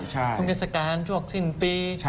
คุณเศรษฐการณ์ช่วงสิ้นปี